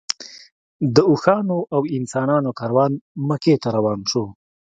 د اوښانو او انسانانو کاروان مکې نه روان شو.